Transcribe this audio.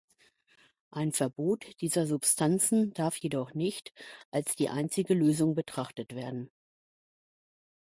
Ein Verbot dieser Substanzen darf jedoch nicht als die einzige Lösung betrachtet werden.